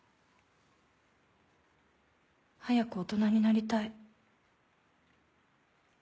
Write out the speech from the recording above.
早く大人になりたい。